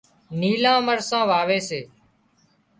نيلان مرسان واوي سي